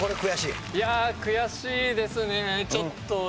いやあ悔しいですねちょっと。